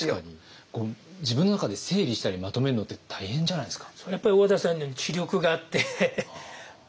自分の中で整理したりまとめるのって大変じゃないですか？